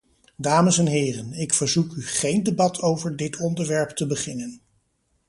Dames en heren, ik verzoek u geen debat over dit onderwerp te beginnen.